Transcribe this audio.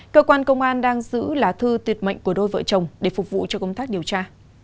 cơ quan công an đang giữ lá thư tiệt mạnh của đôi vợ chồng để phục vụ cho công tác điều tra